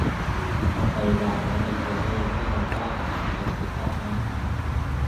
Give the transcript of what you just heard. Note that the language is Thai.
เอาไปวางไว้ในโฟลเดอร์ที่เราได้สร้างกันไปก่อนหน้านี้